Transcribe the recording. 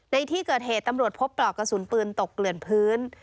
ในที่เกิดเหตุตำรวจพบปลอกกระสุนปืนตกเกลื่อนพื้น